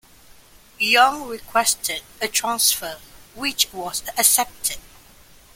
Young requested a transfer, which was accepted.